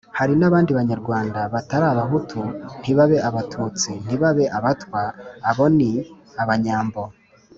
Hari n'abandi Banyarwanda batari Abahutu ntibabe Abatutsi, ntibabe Abatwa:abo ni Abanyambo,